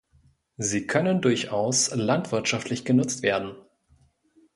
Sie können durchaus landwirtschaftlich genutzt werden.